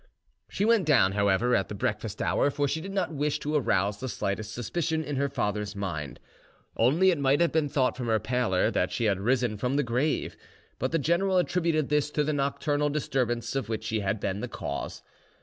She went down, however, at the breakfast hour; for she did not wish to arouse the slightest suspicion in her father's mind. Only it might have been thought from her pallor that she had risen from the grave, but the general attributed this to the nocturnal disturbance of which he had been the cause.